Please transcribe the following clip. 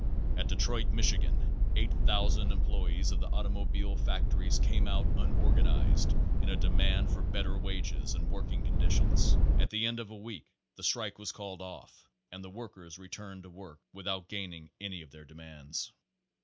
At Detroit, Michigan, eight thousand employes of the automobile factories came out unorganized in a de mand for better wages and working conditions. At the end of a week the strike was called off and the workers returned to work without gaining any of their de mands.